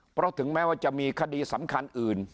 เพราะถึงแม้ว่าจะมีคดีสำคัญอื่น